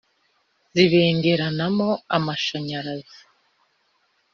Zibengeranamo amashanyaraza